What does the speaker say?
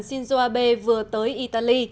shinzo abe vừa tới italy